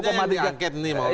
kasusnya yang diangket nih